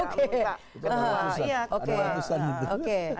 bisa minta ketua